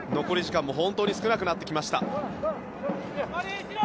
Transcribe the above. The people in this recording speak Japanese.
残り時間も本当に少なくなってきました。